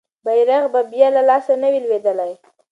بیرغ به بیا له لاسه نه وي لویدلی.